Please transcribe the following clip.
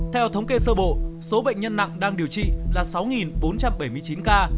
theo thống kê sơ bộ số bệnh nhân nặng đang điều trị là sáu bốn trăm bảy mươi chín ca